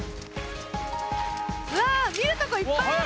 うわ見るとこいっぱいある！